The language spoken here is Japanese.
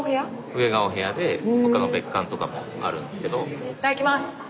上がお部屋で他の別館とかもあるんですけど。